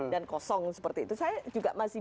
dan kosong seperti itu saya juga masih